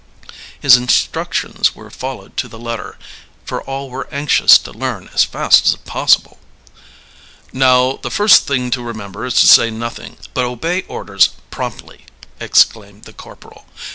His instructions were followed to the letter, for all were anxious to learn as fast as possible. "Now the first thing to remember is to say nothing, but obey orders promptly," exclaimed the corporal.